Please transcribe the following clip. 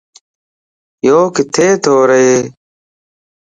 يوڪٿي تو ره؟